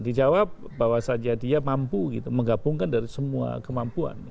dijawab bahwa saja dia mampu menggabungkan dari semua kemampuan